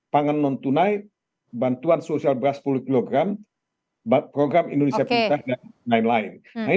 pangan non tunai bantuan sosial beras sepuluh kg program indonesia pintar dan lain lain